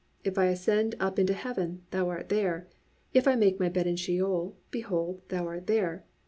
If I ascend up into heaven, thou art there: if I make my bed in Sheol, behold, thou art there.